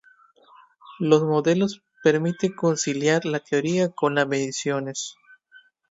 Los modelos permiten conciliar la teoría con las mediciones.